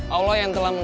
allah yang telah